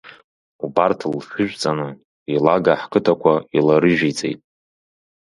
Убарҭ лҽыжәҵаны, илага ҳқыҭақуа иларыжәиҵеит.